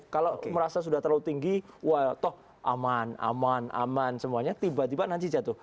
kalau merasa sudah terlalu tinggi wah toh aman aman semuanya tiba tiba nanti jatuh